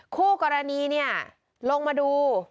คู่กรณีเนี่ยลงมาดู